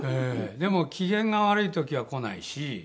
でも機嫌が悪い時は来ないし。